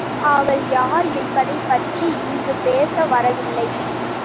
அவள் யார் என்பதைப் பற்றி இங்குப் பேச வரவில்லை.